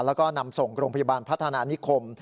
แล้วก็นำส่งโรงพยาบาลพัฒนานิคม